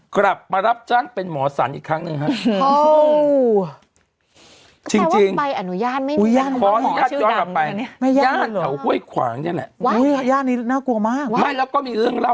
กลับมารับจ้างเป็นหมอสันอีกครั้งหนึ่งฮะ